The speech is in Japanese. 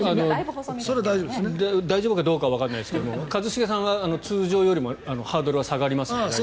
大丈夫かどうかはわからないですが一茂さんは通常よりはハードルが下がりますので。